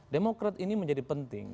demokrat ini menjadi penting